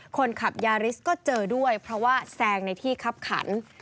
คนขับยาริสก็เจอด้วยเพราะว่าแซงในที่คับขัน